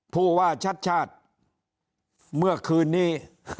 ผู้ว่าชัดชาติเมื่อคืนนี้